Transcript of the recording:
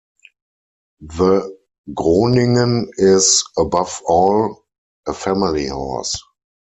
The Groningen is, above all "a family horse".